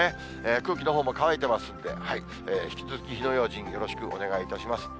空気のほうも乾いてますんで、引き続き火の用心、よろしくお願いいたします。